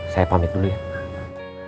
saya pamit dulu ya